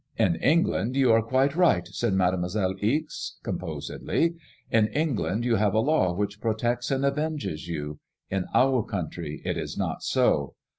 ''In England yoa are quite right/* said Mademoiselle Ixe» composedly. In England you have a law which protects and avenges you. In our country it is not so.